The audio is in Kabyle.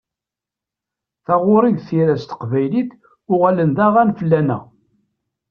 Taɣuri d tira s teqbaylit uɣalen d aɣan fell-aneɣ.